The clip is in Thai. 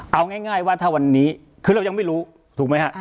เอาง่ายว่าถ้าวันนี้คือเรายังไม่รู้ถูกไหมฮะ